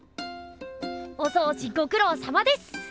おそうじごくろうさまです！